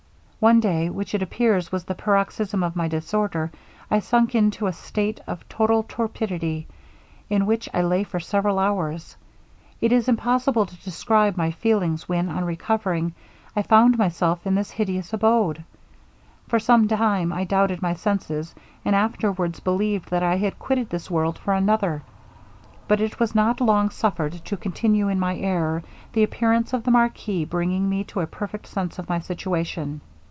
'One day, which it appears was the paroxysm of my disorder, I sunk in to a state of total torpidity, in which I lay for several hours. It is impossible to describe my feelings, when, on recovering, I found myself in this hideous abode. For some time I doubted my senses, and afterwards believed that I had quitted this world for another; but I was not long suffered to continue in my error, the appearance of the marquis bringing me to a perfect sense of my situation.